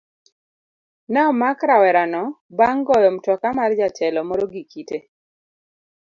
Ne omak rawerano bang' goyo mtoka mar jatelo moro gi kite